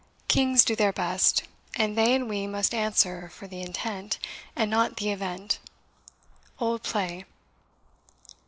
Kings do their best; and they and we Must answer for the intent, and not the event. OLD PLAY.